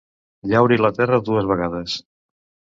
Llauri la terra dues vegades.